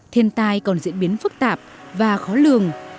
thiên tai còn diễn biến phức tạp và khó lường